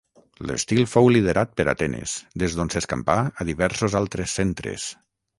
L'estil fou liderat per Atenes, des d'on s'escampà a diversos altres centres.